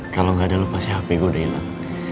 kalo gak ada lu pasti hp gua udah hilang